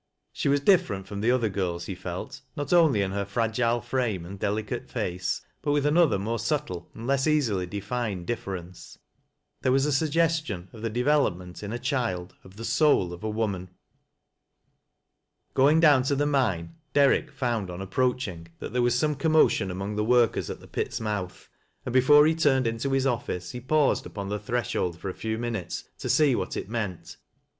She was different from othe; girla he felt, not only in her fi agile frame and delicate face bat with another more subtle and less easily defined dif ference. There was a suggestion of the developraent ir a child of the soul of a woman. " LIZ." 23 Going down to the mine, Derrick found en a})proach ing that there was some commotion among the workers at the pit's mouth, and before he turned in to his ofBee, he paused upon the threshold for a few minutes to see what it meant.